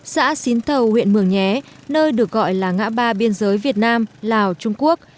xã xín thầu huyện mường nhé nơi được gọi là ngã ba biên giới việt nam lào trung quốc